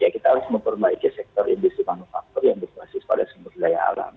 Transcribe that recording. kita harus memperbaiki sektor industri manufaktur yang berkhasis pada semudaya alam